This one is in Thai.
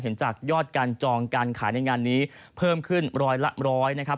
จากยอดการจองการขายในงานนี้เพิ่มขึ้นร้อยละร้อยนะครับ